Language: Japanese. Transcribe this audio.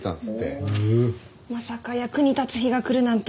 まさか役に立つ日が来るなんて。